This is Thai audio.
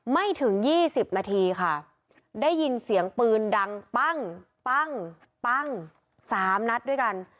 ไม่ถึง๒๐นาทีค่ะได้ยินเสียงปืนดังปั้งปั้งปั้งสามนัดด้วยกัน